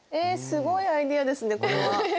すごいアイデアですねこれは。